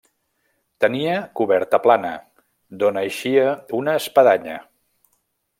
Tenia coberta plana, d'on eixia una espadanya.